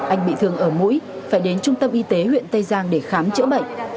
anh bị thương ở mũi phải đến trung tâm y tế huyện tây giang để khám chữa bệnh